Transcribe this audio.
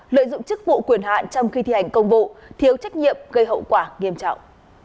lợi dụng chức vụ quyền hạn trong khi thi hành công vụ thiếu trách nhiệm gây hậu quả nghiêm trọng